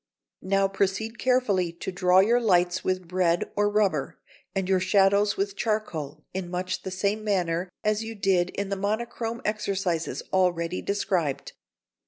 Now proceed carefully to draw your lights with bread or rubber, and your shadows with charcoal, in much the same manner as you did in the monochrome exercises already described.